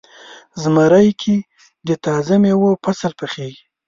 زمری کې د تازه میوو فصل پخیږي.